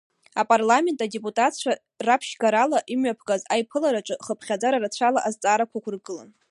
Апарламент адепутатцәа раԥшьгарала имҩаԥгаз аиԥылараҿы, хыԥхьаӡара рацәала азҵаарақәа ықәыргылан.